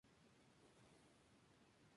Pinkerton luego abandona a Butterfly.